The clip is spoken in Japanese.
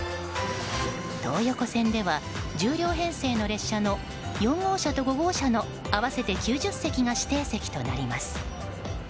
東横線では、１０両編成の列車の４号車と５号車の合わせて９０席が指定席となります。